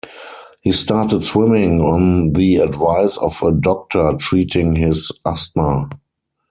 He started swimming on the advice of a doctor treating his asthma.